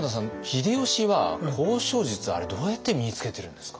秀吉は交渉術あれどうやって身につけてるんですか？